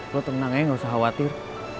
lo tenang aja gak usah khawatir